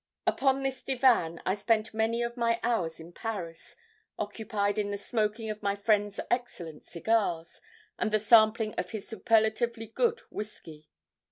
Upon this divan I spent many of my hours in Paris, occupied in the smoking of my friend's excellent cigars, and the sampling of his superlatively good whisky.